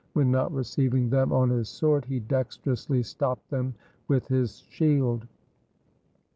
When not receiving them on his sword he dexterously stopped them with his shield.